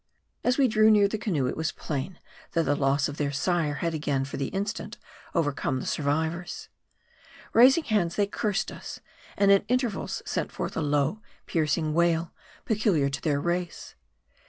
As we drew near the canoe, it was plain, that the loss of their sire had again for the instant overcome the survivors. Raising hands, they cursed us ; and at intervals sent forth a low, piercing wail, peculiar to their race.